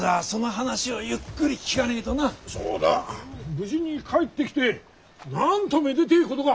無事に帰ってきてなんとめでてぇことか。